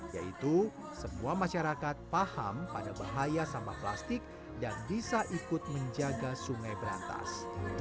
yaitu semua masyarakat paham pada bahaya sampah plastik dan bisa ikut menjaga sungai berantas